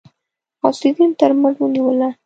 غوث الدين تر مټ ونيوله.